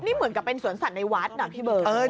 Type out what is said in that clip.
นี่เหมือนกับเป็นสวนสัตว์ในวัดนะพี่เบิร์ต